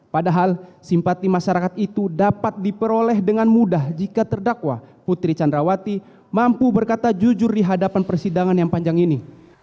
padahal simpati masyarakat itu dapat diperoleh dengan mudah jika terdakwa putri candrawati mampu berkata jujur di hadapan persidangan yang panjang ini